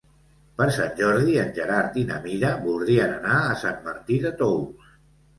Per Sant Jordi en Gerard i na Mira voldrien anar a Sant Martí de Tous.